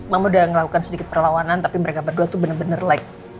mama udah ngelakukan sedikit perlawanan tapi mereka berdua tuh bener bener like